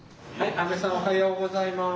あべさんおはようございます。